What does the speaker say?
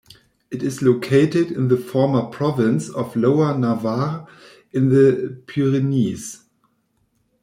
It is located in the former province of Lower Navarre, in the Pyrenees.